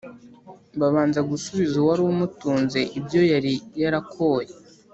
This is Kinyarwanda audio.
babanza gusubiza uwari umutunze ibyo yari yarakoye,